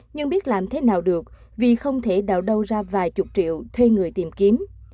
nhưng biết làm thế nào được vì không thể đào đâu ra vài chục triệu thuê người tìm kiếm